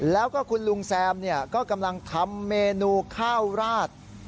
แล้วก็คุณลุงแซมก็กำลังทำเมนูข้าวราด